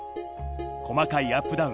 細かいアップダウン。